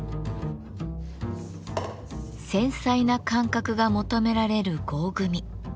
繊細な感覚が求められる合組。